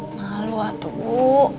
malu atuh bu